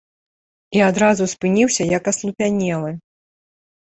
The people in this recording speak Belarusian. І адразу спыніўся як аслупянелы.